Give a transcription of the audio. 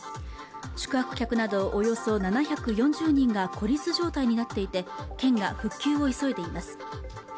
宿泊客などおよそ７４０人が孤立状態になっていて県が復旧を急いでいます